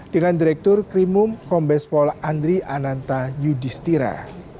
dengan direktur krimum kombespol andri ananta yudhistira